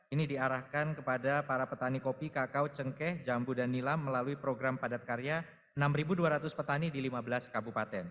ini diarahkan kepada para petani kopi kakao cengkeh jambu dan nilam melalui program padat karya enam dua ratus petani di lima belas kabupaten